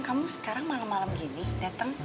kamu sekarang malem malem gini dateng